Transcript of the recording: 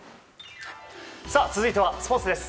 続いてはスポーツです。